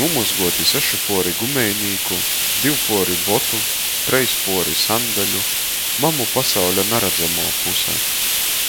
Nūmozguoti seši puori gumejnīku, div puori botu, treis puori sandaļu. Mamu pasauļa naradzamuo puse.